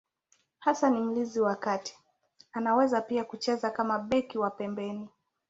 Hasa ni mlinzi wa kati, anaweza pia kucheza kama beki wa pembeni.